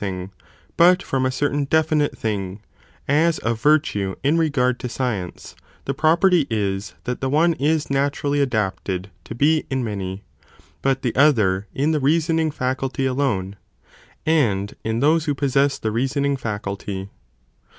s thing, but from a certain definite thing, as of virtue in regard to science, the property is that the one is naturally adapted . to be in many, but the other in the reasoning faculty alone, and in those who possess the reasoning faculty.